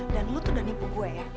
dan lo tuh udah nipu gue ya